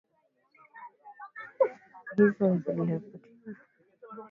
hizo ziliripoti kwa hivyo tulianza safari ya